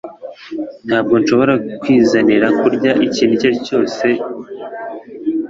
Ntabwo nshobora kwizanira kurya ikintu icyo ari cyo cyose